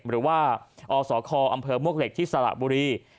หรือว่าอสคอำเภอมวกเหล็กที่สระบุรี